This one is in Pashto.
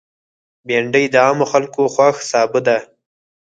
بېنډۍ د عامو خلکو خوښ سابه ده